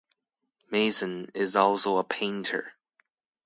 Mason is also a painter.